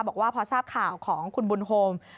บอกว่าพอทราบข่าวของคุณบุญโฮม